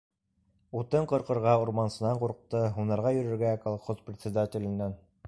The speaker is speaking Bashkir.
Утын ҡырҡырға урмансынан ҡурҡты, һунарға йөрөргә - колхоз председателенән.